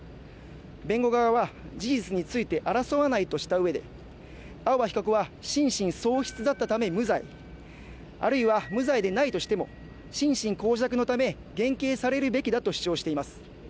弁護側は事実について争わないとしたうえで青葉被告は心神喪失だったため無罪あるいは無罪でないとしても心神耗弱のため減刑されるべきだと主張しています